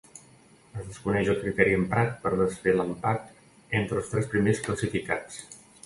Es desconeix el criteri emprat per desfer l'empat entre els tres primers classificats.